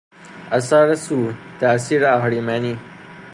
اثر سو، تاثیر اهریمنی